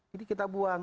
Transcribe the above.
jadi kita buang